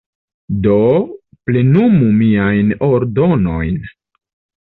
Do, plenumu miajn ordonojn.